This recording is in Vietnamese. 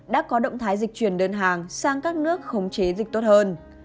đã có động thái dịch chuyển đơn hàng sang các nước khống chế dịch tốt hơn